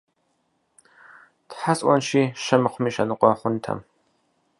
Тхьэ сӀуэнщ, щэ мыхъуми, щэ ныкъуэ хъунтэм!